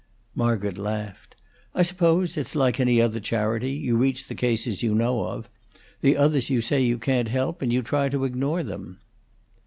Margaret laughed. "I suppose it's like any other charity: you reach the cases you know of. The others you say you can't help, and you try to ignore them."